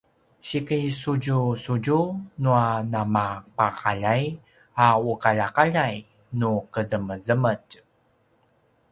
sikisudjusudju nua namapaqaljay a uqaljaqaljay nu qezemezemetj